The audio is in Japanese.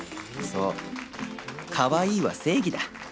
かわいいは正義だ